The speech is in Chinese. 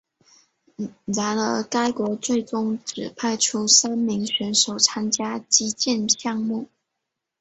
然而该国最终只派出三名选手参加击剑项目。